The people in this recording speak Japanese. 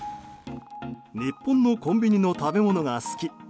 日本のコンビニの食べ物が好き。